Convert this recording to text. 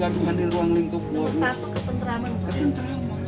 tidak ada kegagungan di ruang lingkungan